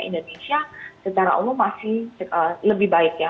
indonesia secara umum masih lebih baik ya